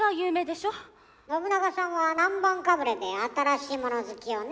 信長さんは南蛮かぶれで新しいもの好きよね。